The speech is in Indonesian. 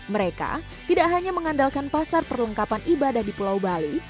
mereka tidak hanya mengandalkan pasar perlengkapan ibadah di pulau bali